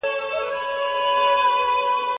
خداى دي له